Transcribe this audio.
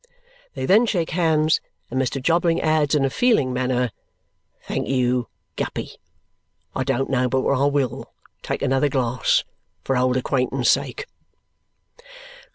They then shake hands, and Mr. Jobling adds in a feeling manner, "Thank you, Guppy, I don't know but what I WILL take another glass for old acquaintance sake."